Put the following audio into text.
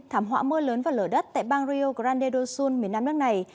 thảm họa mưa lớn và lở đất tại bang rio grande do sul miền nam nước này